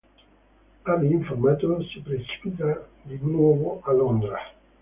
Avi, informato, si precipita di nuovo a Londra.